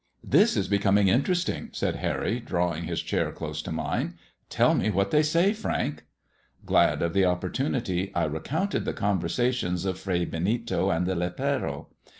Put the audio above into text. ■" Tliis is becoming interesting," said Harry, drawing Ul chair close to mine. " Tell me what they say, Frank." Glad of the opportunity, I recounted the conversations of Fray Benito and the lepero.